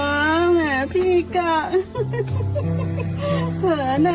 เห็นเหมือจังเลยเนี่ยเหมืออะไรนะ